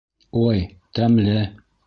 Ой, тәмле.